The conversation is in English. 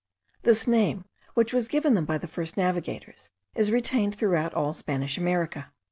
This name, which was given them by the first navigators, is retained throughout all Spanish America.